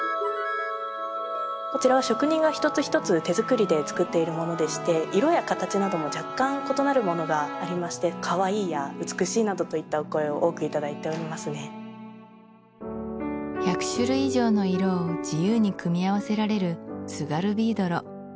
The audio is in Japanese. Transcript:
こちらは職人が一つ一つ手作りで作っているものでして色や形なども若干異なるものがありましてかわいいや美しいなどといったお声を多くいただいておりますね１００種類以上の色を自由に組み合わせられる津軽びいどろ